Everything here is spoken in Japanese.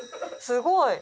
すごい。